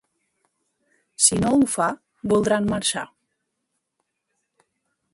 Si no ho fa, voldran marxar.